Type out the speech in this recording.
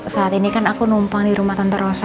saat ini kan aku numpang di rumah tante rosa